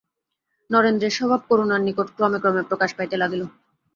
নরেন্দ্রের স্বভাব করুণার নিকট ক্রমে ক্রমে প্রকাশ পাইতে লাগিল।